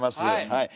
はい。